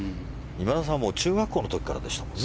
今田さんは中学校の時からでしたもんね。